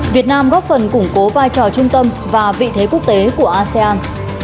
việt nam góp phần củng cố vai trò trung tâm và vị thế quốc tế của asean